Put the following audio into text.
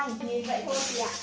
như vậy thôi thì ạ